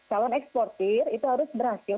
calon eksportir itu harus berhasil